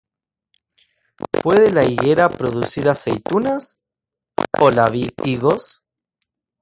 ¿puede la higuera producir aceitunas, ó la vid higos?